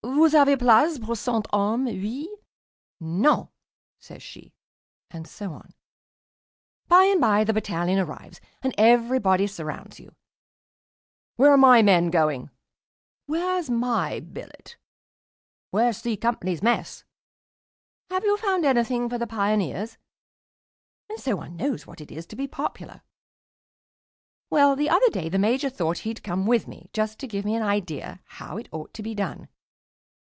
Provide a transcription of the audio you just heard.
"Vous avez place pour cent hommes oui?" "Non," says she and so on. By and by the battalion arrives, and everybody surrounds you. "Where are my men going?" "Where is my billet?" "Where's 'C' Company's mess?" "Have you found anything for the Pioneers?" And so one knows what it is to be popular. Well, the other day the Major thought he'd come with me, just to give me an idea how it ought to be done.